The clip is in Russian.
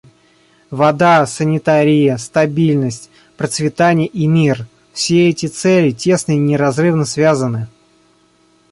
Вода, санитария, стабильность, процветание и мир — все эти цели тесно и неразрывно связаны.